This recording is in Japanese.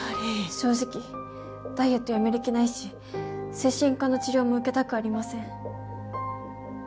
正直ダイエットやめる気ないし精神科の治療も受けたくありません。